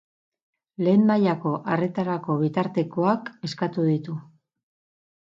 Lehen mailako arretarako bitartekoak eskatu ditu.